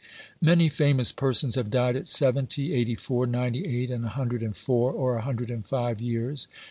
Many famous persons have died at seventy, eighty four, ninety eight and a hundred and four (or a hundred and five) years.